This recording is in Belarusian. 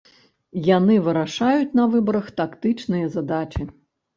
Яны вырашаюць на выбарах тактычныя задачы.